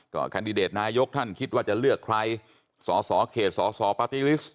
แคนดิเดตนายกท่านคิดว่าจะเลือกใครสสเขตสสปาร์ตี้ลิสต